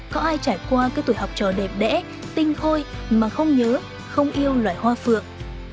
có ai trải qua cái tuổi học trò đẹp đẽ tinh khôi mà không nhớ không yêu loài hoa phượng